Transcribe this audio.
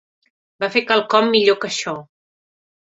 Va fer quelcom millor que això.